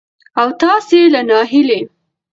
او تاسې له ناهيلۍ